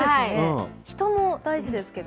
人も大事ですけど。